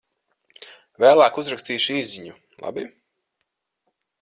Vēlāk uzrakstīšu īsziņu, labi?